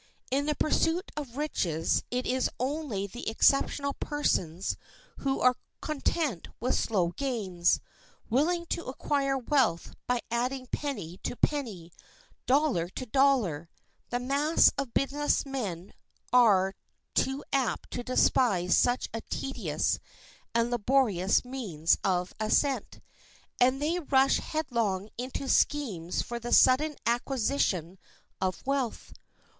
In the pursuit of riches it is only the exceptional persons who are content with slow gains, willing to acquire wealth by adding penny to penny, dollar to dollar; the mass of business men are too apt to despise such a tedious and laborious means of ascent, and they rush headlong into schemes for the sudden acquisition of wealth.